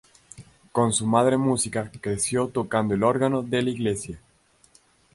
Con su madre música, creció tocando el órgano de la iglesia.